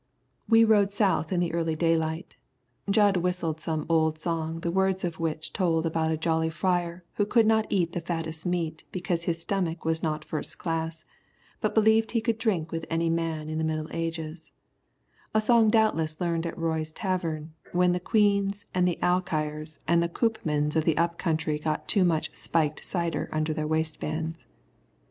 We rode south in the early daylight. Jud whistled some old song the words of which told about a jolly friar who could not eat the fattest meat because his stomach was not first class, but believed he could drink with any man in the Middle Ages, a song doubtless learned at Roy's tavern when the Queens and the Alkires and the Coopmans of the up country got too much "spiked" cider under their waistbands.